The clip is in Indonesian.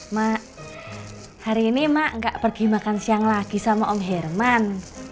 mak hari ini mak nggak pergi makan siang lagi sama om herman